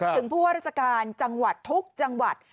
ถึงผู้ว่าราชการจังหวัดทุกจังหวัด